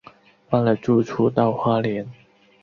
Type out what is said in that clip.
搬了住处到花莲